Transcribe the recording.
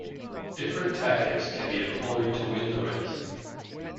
Different tactics can be employed to win the race.